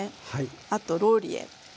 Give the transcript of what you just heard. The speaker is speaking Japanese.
あとローリエ。